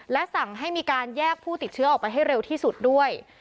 และสั่งให้มีการแยกผู้ติดเชื้อออกไปให้เร็วที่สุดด้วย